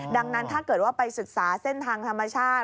ดังนั้นถ้าเกิดว่าไปศึกษาเส้นทางธรรมชาติ